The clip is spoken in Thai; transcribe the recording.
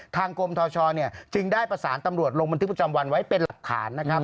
ทางกรมทชจึงได้ประสานตำรวจลงบันทึกประจำวันไว้เป็นหลักฐานนะครับ